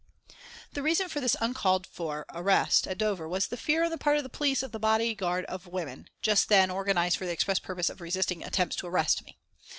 The reason for this uncalled for arrest at Dover was the fear on the part of the police of the body guard of women, just then organised for the expressed purpose of resisting attempts to arrest me.